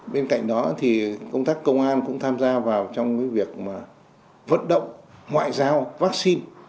bên cạnh đó thì công tác công an cũng tham gia vào trong việc vận động ngoại giao vaccine